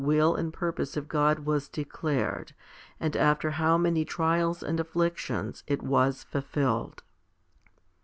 HOMILY IX 71 will and purpose of God was declared, and after how many trials and afflictions it was fulfilled.